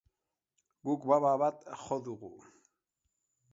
Guk baba bat jo dugu.